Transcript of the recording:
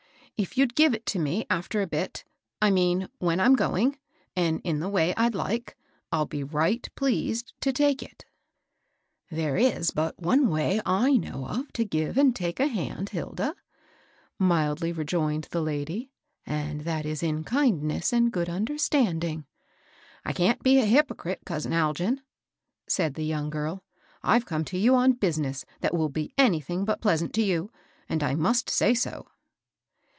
If you'd give it to me after a l3|it, — I mean when I'm going, — and in the way I'd like, I'd be right pleased to take it." {2U) HOW HILPA KEEPS HER POWDER DRY. 245 *' There is but one way I know of to give and take a hdnd, Hilda," mildly rejoined the lady, " and that is in kindness and good understanding." " I can't be a hypdcrite, cousin Algin," said Ae young girl. " I've come to you on business that will be anything but pleasant to you, and I must say 80."